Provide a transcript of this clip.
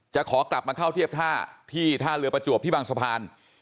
ขอกลับมาเข้าเทียบท่าที่ท่าเรือประจวบที่บางสะพาน